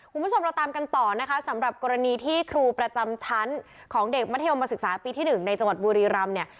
คุณผู้ชมเราตามกันต่อนะคะสำหรับกรณีที่ครูประจำชั้นของเด็กมัธยมศึกษาปีที่๑ในจังหวัดบุรีรำเนี่ย